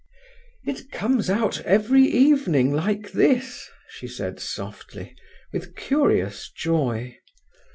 "It comes out every evening like this," she said softly, with curious joy.